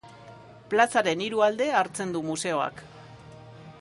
Plazaren hiru alde hartzen du museoak.